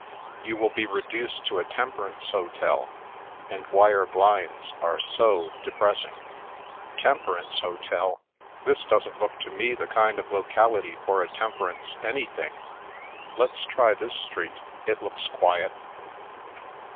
You will be reduced to a temperance hotel, and wire blinds are so depressing !"" Temperance hotel ! This doesn't look to me the kind of locality for a temperance anything! Let's try this street, it looks quiet."